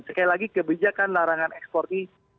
sekali lagi kebijakan larangan ekspor ini